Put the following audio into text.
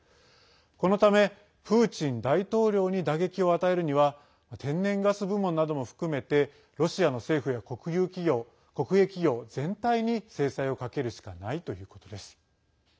このため、プーチン大統領に打撃を与えるには天然ガス部門なども含めてロシアの政府や国営企業全体に制裁をかけるしかないということです。